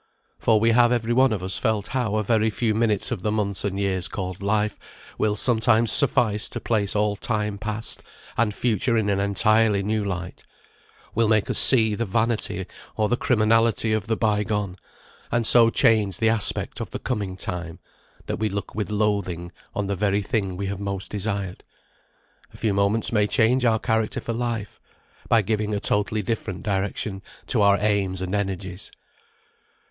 For we have every one of us felt how a very few minutes of the months and years called life, will sometimes suffice to place all time past and future in an entirely new light; will make us see the vanity or the criminality of the bye gone, and so change the aspect of the coming time, that we look with loathing on the very thing we have most desired. A few moments may change our character for life, by giving a totally different direction to our aims and energies.